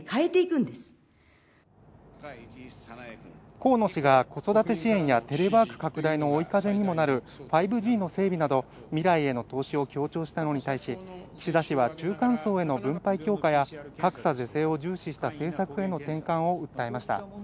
河野氏が子育て支援やテレワーク拡大の追い風にもなる５Ｇの整備など、未来への投資を強調したのに対し岸田氏は中間層への分配強化や格差是正を重視した政策への転換を訴えました。